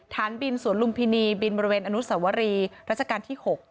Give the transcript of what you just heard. ฐานบินสวนลุมพินีบินบริเวณอนุสวรีรัชกาลที่๖